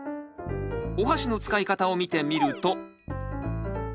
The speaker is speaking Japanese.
おはしの使い方を見てみると。